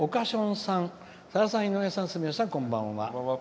「さださん、井上さん、住吉さんこんばんは。